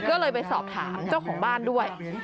ก็เลยไปสอบถามเจ้าของบ้านด้วย